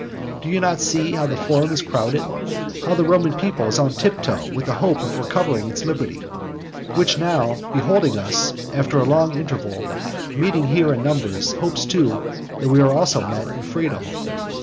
Do you not see how the forum is crowded? how the Roman people is on tiptoe with the hope of recovering its liberty? which now, beholding us, after a long interval, meeting here in numbers, hopes too that we are also met in freedom.